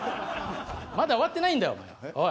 まだ終わってないんだよお前は。おい。